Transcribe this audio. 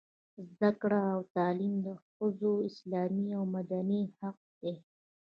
زده کړه او تعلیم د ښځو اسلامي او مدني حق دی.